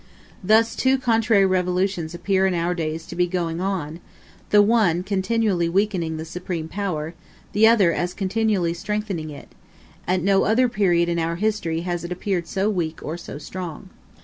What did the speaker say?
Thus two contrary revolutions appear in our days to be going on; the one continually weakening the supreme power, the other as continually strengthening it: at no other period in our history has it appeared so weak or so strong.